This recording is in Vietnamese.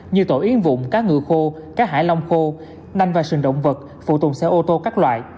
như tổ yến vụng cá ngừ khô cá hải long khô nanh và sừng động vật phụ tùng xe ô tô các loại